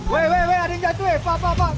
weh weh weh ada yang jatuh pak